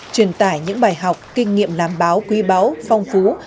truyền tải những bài học kinh nghiệm làm báo quý báu phong phú